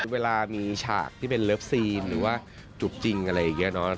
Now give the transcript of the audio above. เวลามีฉากที่เป็นเลิฟซีนหรือว่าจุบจริงอะไรอย่างนี้เนอะ